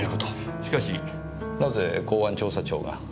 しかしなぜ公安調査庁が？